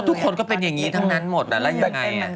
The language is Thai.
ทุกคนก็เป็นอย่างนี้ทั้งนั้นหมดแล้วยังไง